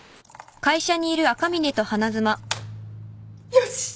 よし！